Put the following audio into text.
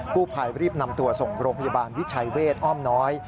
ผู้ภัยรีบนำตัวส่งโรงพยาบาลวิชัยเวทอ้อมน้อย